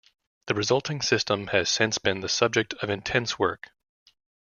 The resulting system has since been the subject of intense work.